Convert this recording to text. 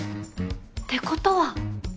ってことは。